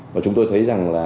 và chúng tôi thấy rằng là